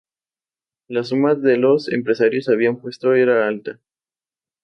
La suma que los empresarios habían puesto era alta.